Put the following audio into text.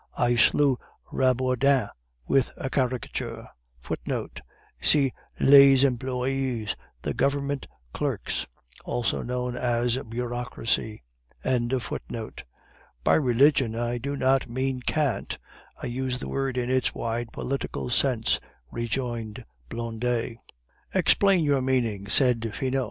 I slew Rabourdin with a caricature."[*] [*] See Les Employes [The Government Clerks aka Bureaucracy]. "By religion I do not mean cant; I use the word in its wide political sense," rejoined Blondet. "Explain your meaning," said Finot.